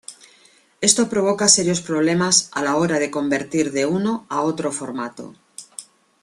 Esto provoca serios problemas a la hora de convertir de uno a otro formato.